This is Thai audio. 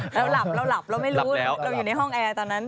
เราหลับเราหลับเราไม่รู้เราอยู่ในห้องแอร์ตอนนั้น